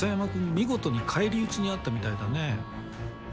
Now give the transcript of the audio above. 見事に返り討ちに遭ったみたいだね。